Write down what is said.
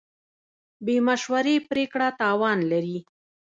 بې مشورې پرېکړه تاوان لري.